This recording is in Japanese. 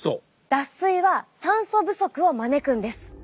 脱水は酸素不足を招くんです。